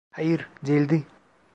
Hayır, değildi.